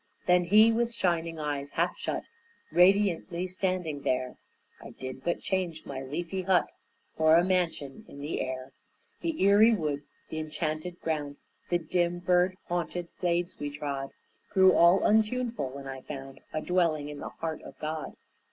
Then he, with shining eyes half shut, Radiantly standing there: "I did but change my leafy hut For a mansion in the air, The eerie wood, the enchanted ground, The dim, bird haunted glades we trod, Grew all untuneful when I found A dwelling in the heart of God.